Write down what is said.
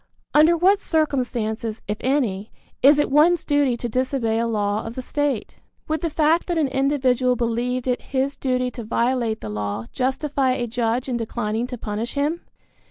Under what circumstances, if any, is it one's duty to disobey a law of the state? Would the fact that an individual believed it his duty to violate the law justify a judge in declining to punish him?